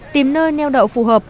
tìm nơi neo đậu phù hợp